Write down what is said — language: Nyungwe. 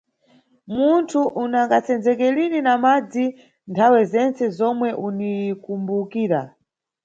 Munthu unagasenzeke lini na madzi nthawe zentse zomwe unikumbukira.